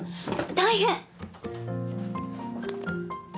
大変。